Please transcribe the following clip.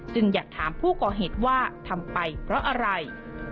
อยากถามผู้ก่อเหตุว่าทำไปเพราะอะไร